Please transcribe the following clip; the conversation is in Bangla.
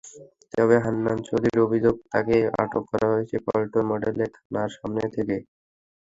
তবে হান্নান চৌধুরীর অভিযোগ, তাঁকে আটক করা হয়েছে পল্টন মডেল থানার সামনে থেকে।